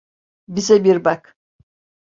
Bize bir bak.